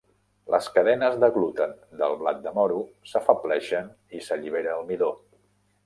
Les cadenes de gluten del blat de moro s'afebleixen i s'allibera el midó.